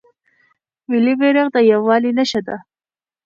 ملي بیرغ د یووالي نښه ده.